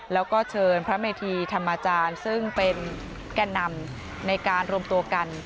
แล้วก็เชิญพระเมธีธรรมอาจารย์ซึ่งเป็นแก่นำในการรวมตัวกัน